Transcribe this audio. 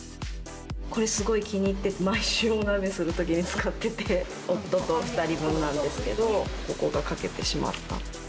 これ、すごい気に入ってて、毎週お鍋するときに使ってて、夫と２人分なんですけど、ここが欠けてしまった。